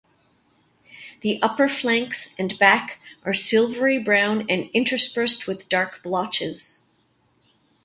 The upper flanks and back are silvery brown interspersed with dark blotches.